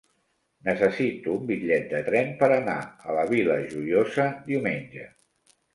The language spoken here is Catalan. Necessito un bitllet de tren per anar a la Vila Joiosa diumenge.